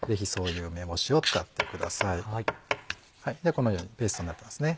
このようにペーストになってますね。